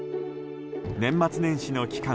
年末年始の期間